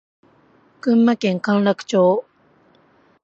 群馬県甘楽町